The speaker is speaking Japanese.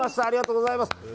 ありがとうございます。